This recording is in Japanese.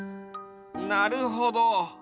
なるほど。